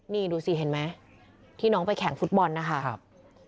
นี่ดูสิเห็นไหมที่น้องไปแข่งฟุตบอลนะคะ